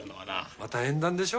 また縁談でしょ？